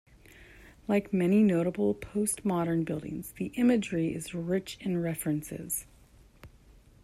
Like many notable postmodern buildings, the imagery is rich in references.